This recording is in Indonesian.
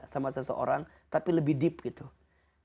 sama seseorang tapi lebih dalam